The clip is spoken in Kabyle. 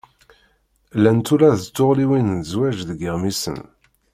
Llant ula d tullɣiwin n zzwaǧ deg iɣmisen.